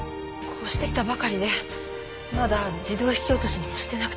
越してきたばかりでまだ自動引き落としにもしてなくて。